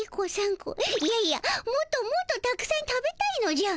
いやいやもっともっとたくさん食べたいのじゃ。